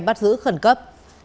bắt giữ khẩn cấp